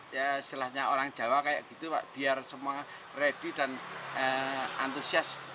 ya istilahnya orang jawa kayak gitu pak biar semua ready dan antusias